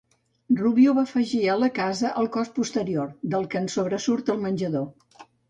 Rubió va afegir a la casa el cos posterior, del que en sobresurt el menjador.